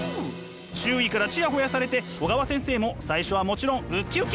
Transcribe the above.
周囲からチヤホヤされて小川先生も最初はもちろんウッキウキ！